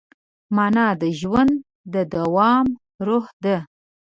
مانا د ژوند د دوام روح ده.